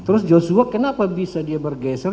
terus joshua kenapa bisa dia bergeser